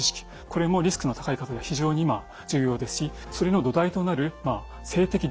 これもリスクの高い方が非常に今重要ですしそれの土台となる性的同意。